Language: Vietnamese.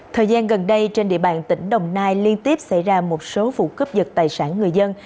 thời gian gần đây trên địa bàn tỉnh đồng nai liên tiếp xảy ra một số vụ cướp dật tài sản người dân